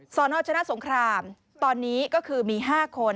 สอนอดินแดงชนะสงครามตอนนี้ก็คือมี๕คน